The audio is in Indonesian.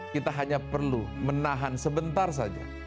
kita hanya perlu menahan sebentar saja